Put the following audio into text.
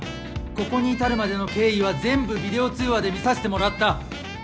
ここに至るまでの経緯は全部ビデオ通話で見させてもらった。